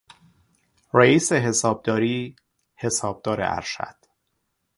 رئیس حسابداری، حسابدار ارشد